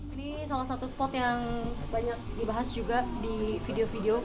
ini salah satu spot yang banyak dibahas juga di video video